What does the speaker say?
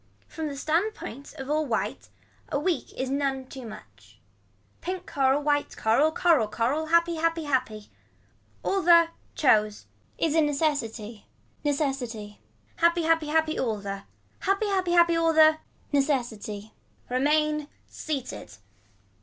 From the standpoint of all white a week is none too much. Pink coral white coral, coral coral. Happy happy happy. All the, chose. Is a necessity. Necessity. Happy happy happy all the. Happy happy happy all the. Necessity. Remain seated.